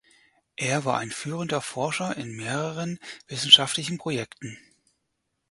Er war ein führender Forscher in mehreren wissenschaftlichen Projekten.